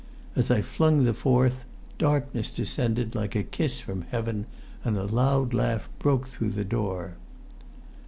As I flung the fourth, darkness descended like a kiss from heaven and a loud laugh broke through the door.